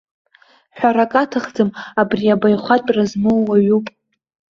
Ҳәарак аҭахӡам, ари абаҩхатәра змоу уаҩуп.